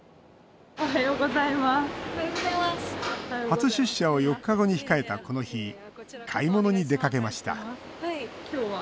初出社を４日後に控えた、この日買い物に出かけました今日は？